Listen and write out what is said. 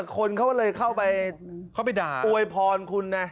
คนเขาเลยเข้าไปโดยพรคุณนะ